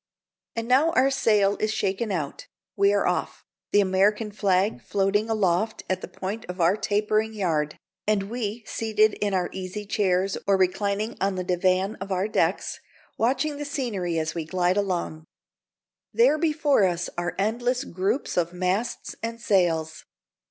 And now our sail is shaken out we are off, the American flag floating aloft at the point of our tapering yard, and we seated in our easy chairs or reclining on the divan of our decks, watching the scenery as we glide along. There before us are endless groups of masts and sails.